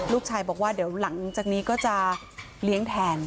ลูกชายบอกว่าเดี๋ยวหลังจากนี้ก็จะเลี้ยงแทน